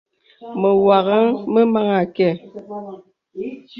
Me wàŋhaŋ me meŋhī kɛ̄.